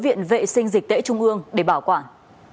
viện vệ sinh dịch tễ trung ương để bảo quản